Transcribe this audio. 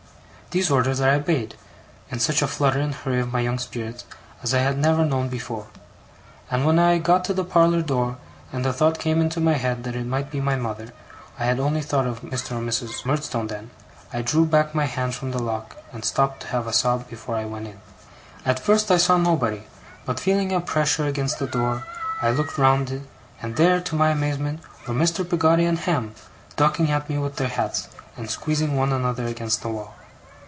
These orders I obeyed, in such a flutter and hurry of my young spirits as I had never known before; and when I got to the parlour door, and the thought came into my head that it might be my mother I had only thought of Mr. or Miss Murdstone until then I drew back my hand from the lock, and stopped to have a sob before I went in. At first I saw nobody; but feeling a pressure against the door, I looked round it, and there, to my amazement, were Mr. Peggotty and Ham, ducking at me with their hats, and squeezing one another against the wall.